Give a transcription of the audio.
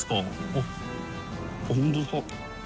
あっ本当だ。